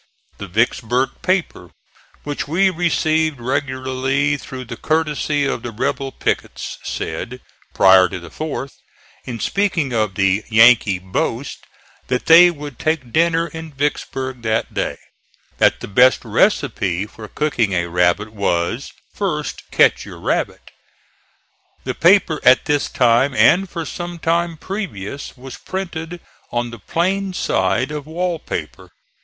The Vicksburg paper, which we received regularly through the courtesy of the rebel pickets, said prior to the fourth, in speaking of the "Yankee" boast that they would take dinner in Vicksburg that day, that the best receipt for cooking a rabbit was "First ketch your rabbit." The paper at this time and for some time previous was printed on the plain side of wall paper.